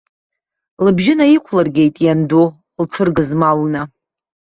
Лыбжьы наиқәлыргеит ианду лҽыргызмалны.